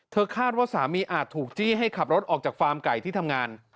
คาดว่าสามีอาจถูกจี้ให้ขับรถออกจากฟาร์มไก่ที่ทำงาน